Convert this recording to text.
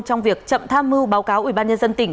trong việc chậm tham mưu báo cáo ubnd tỉnh